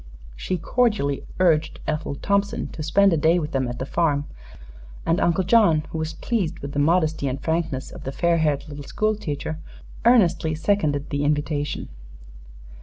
She cordially urged Ethel Thompson to spend a day with them at the farm, and Uncle John, who was pleased with the modesty and frankness of the fair haired little school teacher, earnestly seconded the invitation.